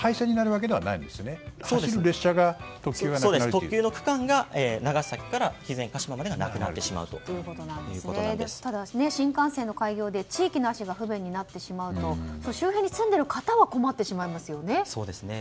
特急の区間長崎から肥前鹿島までがただ、新幹線の開業で地域の足が不便になりますと周辺に住んでいる方は困ってしまいますよね。